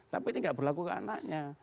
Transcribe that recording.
tapi ini tidak berlaku ke anaknya